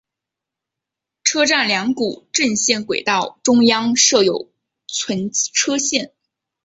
车站两股正线轨道中央设有存车线。